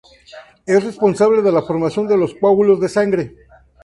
Es responsable de la formación de los coágulos de sangre.